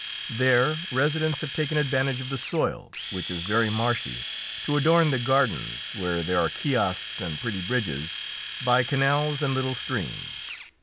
Their residents have taken advantage of the soil, which is very marshy, to adorn the gardens where there are kiosks and pretty bridges by canals and little streams.